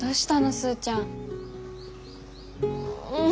スーちゃん。